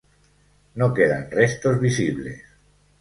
No quedan restos visibles.